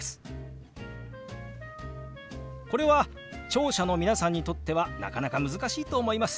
これは聴者の皆さんにとってはなかなか難しいと思います。